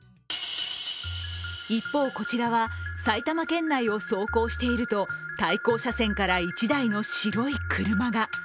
一方、こちらは埼玉県内を走行していると対向車線から１台の白い車が。